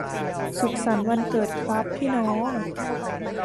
สุขสันต์วันเกิดครับพี่น้อง